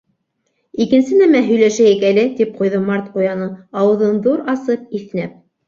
—Икенсе нәмә һөйләшәйек әле! —тип ҡуйҙы Март Ҡуяны, ауыҙын ҙур асып иҫнәп.